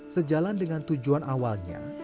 sejalan dengan tujuan awalnya